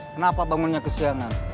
kenapa bangunnya kesiangan